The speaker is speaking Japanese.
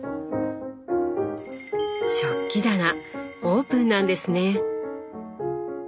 食器棚オープンなんですね。